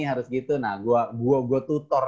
harus gitu nah gue tutor